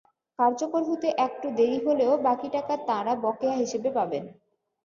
কার্যকর হতে একটু দেরি হলেও বাকি টাকা তাঁরা বকেয়া হিসেবে পাবেন।